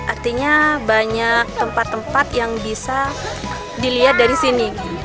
artinya banyak tempat tempat yang bisa dilihat dari sini